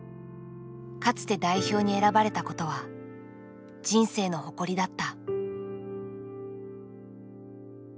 かつて代表に選ばれたことは人生の誇りだった。